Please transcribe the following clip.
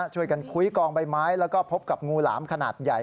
คุ้ยกองใบไม้แล้วก็พบกับงูหลามขนาดใหญ่